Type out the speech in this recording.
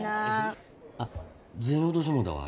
あっ銭落としてもうたわ。